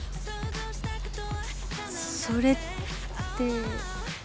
それって。